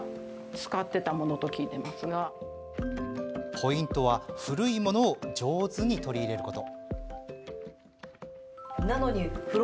ポイントは古いものを上手に取り入れること。